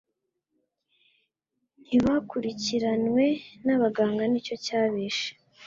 ntibakurikiranwe n'abaganga nicyo cyabishe